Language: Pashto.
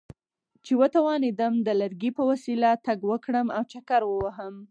چې وتوانېدم د لرګي په وسیله تګ وکړم او چکر ووهم.